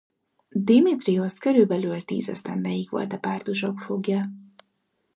Démétriosz körülbelül tíz esztendeig volt a pártusok foglya.